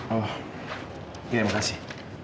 oh iya terima kasih